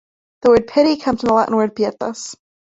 The word "pity" comes from the Latin word "Pietas".